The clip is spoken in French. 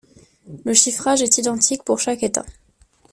Le chiffrage est identique pour chaque état.